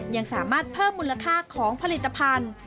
ยังสามารถเพิ่มมูลค่าของผลิตภัณฑ์